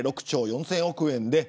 ６兆４０００億円で。